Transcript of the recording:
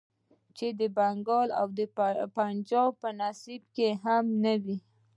چې د بنګال او پنجاب په نصيب هم نه وې.